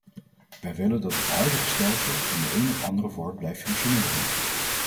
Wij willen dat het huidige stelsel in de een of andere vorm blijft functioneren.